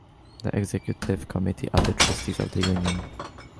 The Executive Committee are the trustees of the Union.